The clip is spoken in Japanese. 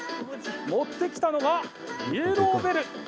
持ってきたのはイエローベル。